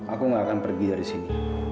aku gak akan pergi dari sini